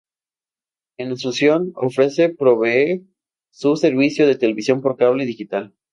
En Asunción, ofrece provee su servicio de televisión por cable digital.